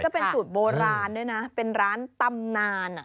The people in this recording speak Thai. ก็เป็นสูตรโบราณด้วยนะเป็นร้านตำนาน